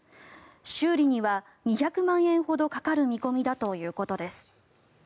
修理には２００万円ほどかかる見込みだということです。